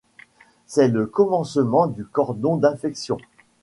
C'est le commencement du cordon d'infection.